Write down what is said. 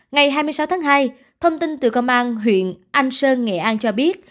ngày hai mươi sáu tháng hai thông tin từ công an huyện anh sơn nghệ an cho biết